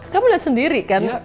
kamu lihat sendiri kan